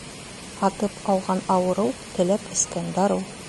Һатып алған ауырыу, теләп эскән дарыу.